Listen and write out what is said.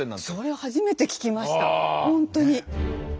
それは初めて聞きました本当に。